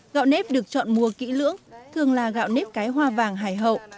gạo nếp được chọn mùa kỹ lưỡng thường là gạo nếp cái hoa vàng hải hậu